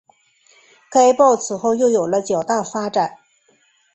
该报此后又有了较大发展。